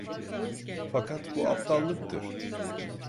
Fakat bu aptallıktır.